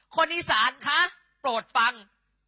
คนอีสานคะโปรดฟัง